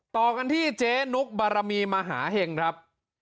ต่อกันที่เจ๊นุกบารมีมหาเห็งครับ